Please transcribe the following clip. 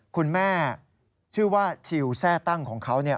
คุณแม่ชื่อว่าชิลแทร่ตั้งของเขาเนี่ย